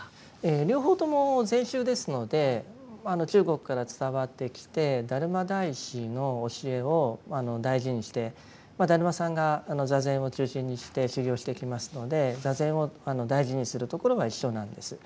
両方とも禅宗ですので中国から伝わってきて達磨大師の教えを大事にして達磨さんが坐禅を中心にして修行をしていきますので坐禅を大事にするところが一緒なんです。